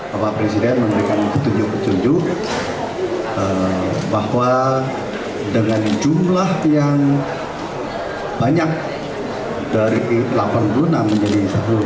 bapak presiden menerikan petunjuk petunjuk bahwa dengan jumlah yang banyak dari delapan puluh enam menjadi satu ratus dua puluh tiga